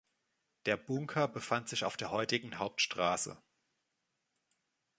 Der Bunker befand sich auf der heutigen Hauptstraße.